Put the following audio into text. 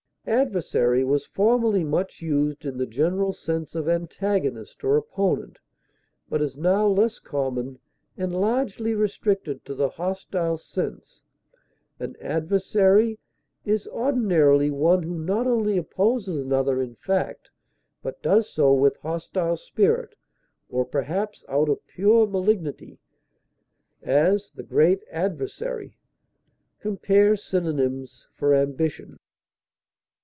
Adversary was formerly much used in the general sense of antagonist or opponent, but is now less common, and largely restricted to the hostile sense; an adversary is ordinarily one who not only opposes another in fact, but does so with hostile spirit, or perhaps out of pure malignity; as, the great Adversary. Compare synonyms for AMBITION.